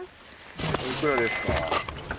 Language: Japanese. おいくらですか？